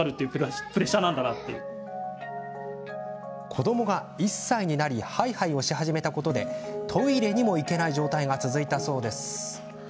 子どもが１歳になりハイハイをし始めたことでトイレにも行けない状態が続いたそうです。